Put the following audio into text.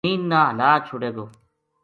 زمین نا ہلا چھوڈے گو